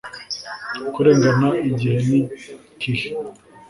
kurengana Igihe nikihe